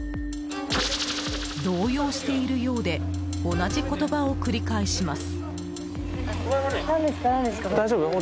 動揺しているようで同じ言葉を繰り返します。